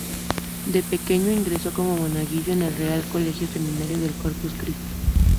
De pequeño ingresó como monaguillo en el Real Colegio Seminario del Corpus Christi.